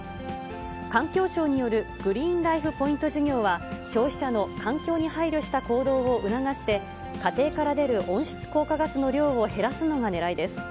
環境省によるグリーンライフ・ポイント事業は、消費者の環境に配慮した行動を促して、家庭から出る温室効果ガスの量を減らすのがねらいです。